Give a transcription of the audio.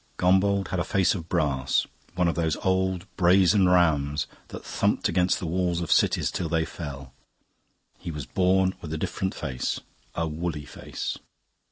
Gombauld had a face of brass one of those old, brazen rams that thumped against the walls of cities till they fell. He was born with a different face a woolly face.